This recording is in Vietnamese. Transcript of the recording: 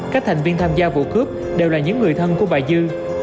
các thành viên tham gia vụ cướp đều là những người thân của bà dư